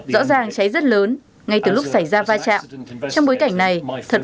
rõ ràng cháy rất lớn ngay từ lúc xảy ra va chạm